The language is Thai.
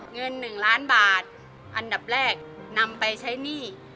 เงิน๑ล้านบาทอันดับแรกนำไปใช้หนี้